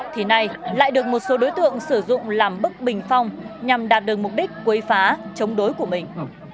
thì nay lại được một số đối tượng sử dụng làm bức bình phong nhằm đạt được mục đích quấy phá chống đối của mình